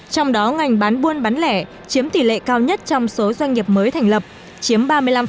trong đó ngành bán buôn bán lẻ chiếm tỷ lệ cao nhất trong số doanh nghiệp mới thành lập chiếm ba mươi năm